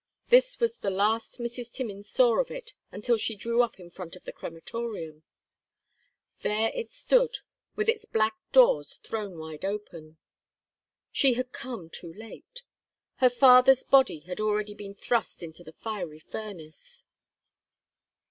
This was the last Mrs. Timmins saw of it until she drew up in front of the crematorium. There it stood, with its black doors thrown wide open. She had come too late! Her father's body had already been thrust into the fiery furnace.